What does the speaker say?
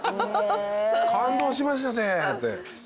「感動しました」って。